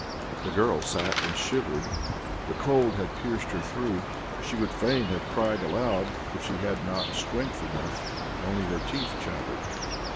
The girl sat and shivered. The cold had pierced her through. She would fain have cried aloud, but she had not strength enough; only her teeth chattered.